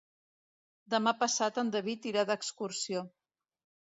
Demà passat en David irà d'excursió.